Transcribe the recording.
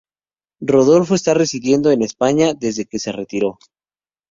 Rodolfo está residiendo en España desde que se retiró.